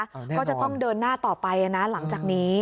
ก็จะต้องเดินหน้าต่อไปนะหลังจากนี้